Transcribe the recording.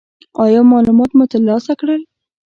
ایا معلومات مو ترلاسه کړل؟